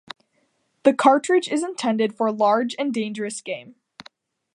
The cartridge is intended for large and dangerous game.